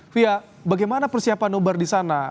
fia bagaimana persiapan nobar di sana